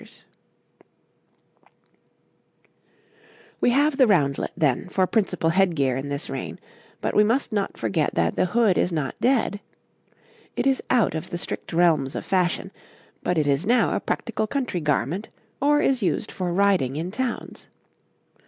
[Illustration: {Six types of head gear}] We have the roundlet, then, for principal head gear in this reign, but we must not forget that the hood is not dead; it is out of the strict realms of fashion, but it is now a practical country garment, or is used for riding in towns.